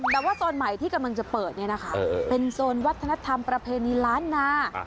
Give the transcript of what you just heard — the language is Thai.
แต่ว่าโซนใหม่ที่กำลังจะเปิดเนี่ยนะคะเป็นโซนวัฒนธรรมประเพณีล้านนา